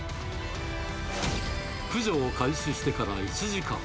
駆除を開始してから１時間。